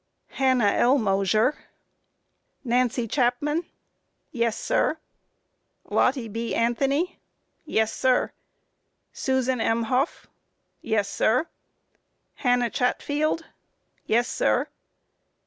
A. Hannah L. Mosher. Q. Nancy Chapman? A. Yes, sir. Q. Lottie B. Anthony? A. Yes, sir. Q. Susan M. Hough? A. Yes, sir. Q. Hannah Chatfield? A. Yes, sir.